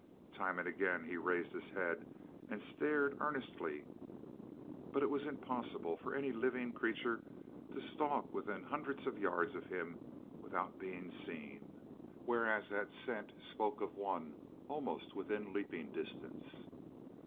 Time and again he raised his head and stared earnestly, but it was impossible for any living creature to stalk within hundreds of yards of him without being seen whereas that scent spoke of one almost within leaping distance.